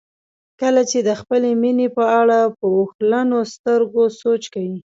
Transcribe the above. کله چې د خپلې مینې په اړه په اوښلنو سترګو سوچ کوئ.